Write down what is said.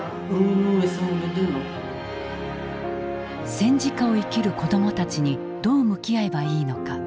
戦時下を生きる子どもたちにどう向き合えばいいのか。